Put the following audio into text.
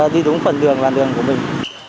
đi đúng phần đường là đường của mình